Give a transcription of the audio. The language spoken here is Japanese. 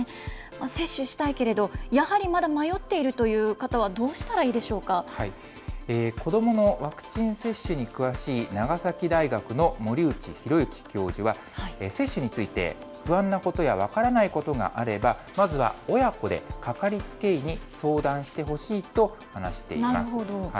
接種したいけれど、やはりまだ迷っているという方は、どうしたら子どものワクチン接種に詳しい、長崎大学の森内浩幸教授は、接種について、不安なことや分からないことがあれば、まずは親子で、かかりつけ医に相談してほしいと話しています。